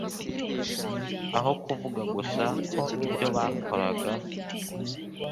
aho kuvuga gusa ko ibyo bakoraga